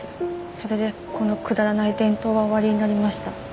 それでこのくだらない伝統は終わりになりました